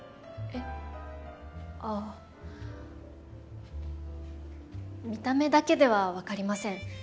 あ見た目だけでは分かりません。